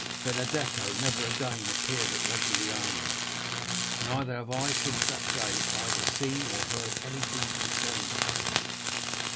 Benedetto never again appeared at Rogliano, neither have I since that day either seen or heard anything concerning him.